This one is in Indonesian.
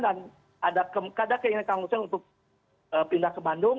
dan ada keinginan kang hussein untuk pindah ke bandung